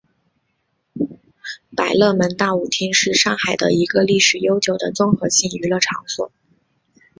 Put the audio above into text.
百乐门大舞厅是上海的一个历史悠久的综合性娱乐场所。